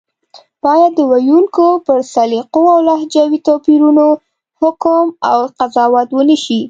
بايد د ویونکو پر سلیقو او لهجوي توپیرونو حکم او قضاوت ونشي